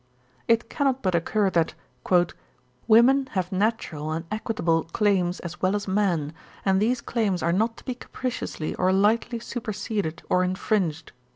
'It cannot but occur that "Women have natural and equitable claims as well as men, and these claims are not to be capriciously or lightly superseded or infringed."